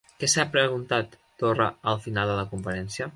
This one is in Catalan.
Què s'ha preguntat Torra al final de la conferència?